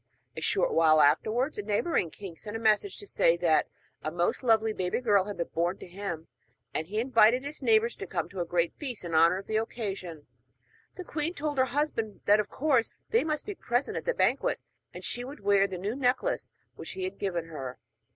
A short while afterwards, a neighbouring king sent a message to say that a most lovely girl baby had been born to him; and he invited his neighbours to come to a great feast in honour of the occasion. The queen told her husband that of course they must be present at the banquet, and she would wear the new necklace which he had given her.